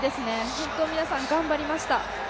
本当に皆さん頑張りました。